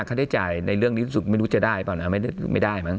ค่าใช้จ่ายในเรื่องนี้รู้สึกไม่รู้จะได้หรือเปล่านะไม่ได้มั้ง